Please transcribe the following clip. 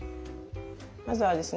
まずはですね